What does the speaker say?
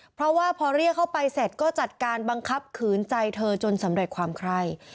เพราะว่าพอเรียกเข้าไปเสร็จก็จัดการบังคับขืนใจเธอจนสำเร็จความไคร่